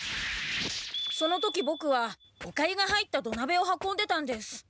その時ボクはおかゆが入ったどなべを運んでたんです。